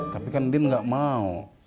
tapi kan din nggak mau